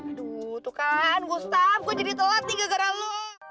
aduh tuh kan wustam gue jadi telat nih gara gara lo